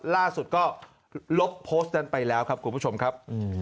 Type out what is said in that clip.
ล่าสุดก็ลบโพสต์นั้นไปแล้วครับคุณผู้ชมครับ